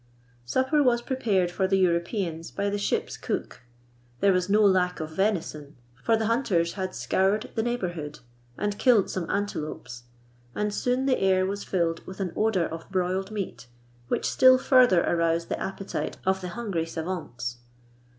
Supper was prepared for the Europeans by the ship's cook. There was no lack of venison, for the hunters had scoured the neighbourhood, and killed some antelopes ; and soon the air was filled with an odour of broiled meat, which still further aroused the appetite of the hungry savants.